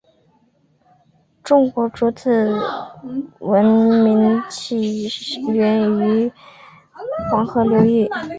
中国主体文明起源于黄河流域。